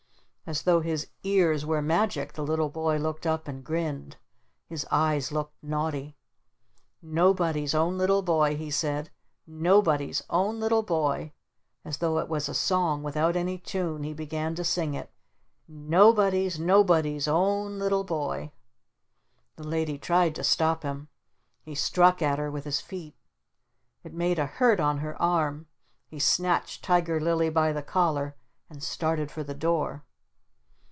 As though his ears were magic the little boy looked up and grinned. His eyes looked naughty. "Nobody's own little boy," he said. "Nobody's own little boy!" As though it was a song without any tune he began to sing it. "Nobody's Nobody's own little boy!" The Lady tried to stop him. He struck at her with his feet. It made a hurt on her arm. He snatched Tiger Lily by the collar and started for the door.